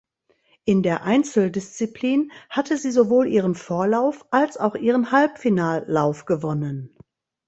In der Einzeldisziplin hatte sie sowohl ihren Vorlauf als auch ihren Halbfinallauf gewonnen.